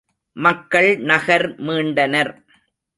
மக்கள் நகர் மீண்டனர்.